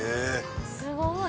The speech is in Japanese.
すごい！